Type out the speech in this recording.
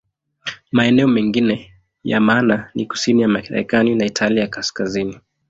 Maeneo mengine ya maana ni kusini ya Marekani na Italia ya Kaskazini.